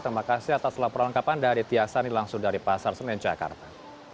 terima kasih atas laporan lengkap anda adit yassani langsung dari pasar semenjakarta